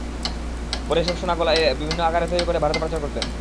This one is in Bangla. পরে এসব সোনা গলিয়ে বিভিন্ন আকারে তৈরি করে ভারতে পাচার করতেন।